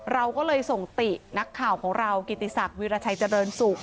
เราก็เลยส่งตินักข่าวของเรากิติศักดิราชัยเจริญสุข